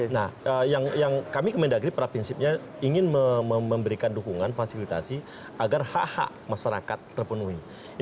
nah yang kami kemendagri prapinsipnya ingin memberikan dukungan fasilitasi agar hak hak masyarakat terpenuhi